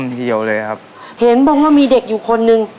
เดียวเลยครับเห็นบอกว่ามีเด็กอยู่คนนึง